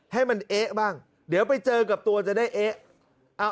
ให้มันเอ๊ะบ้างเดี๋ยวไปเจอกับตัวจะได้เอ๊ะ